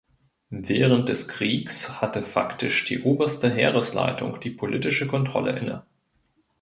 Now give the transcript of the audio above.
Während des Kriegs hatte faktisch die Oberste Heeresleitung die politische Kontrolle inne.